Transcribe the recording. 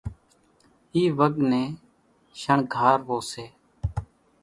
اِي وڳ نين شڻگھاروو سي،